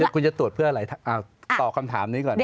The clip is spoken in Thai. คุณจะตรวจเพื่ออะไรตอบคำถามนี้ก่อน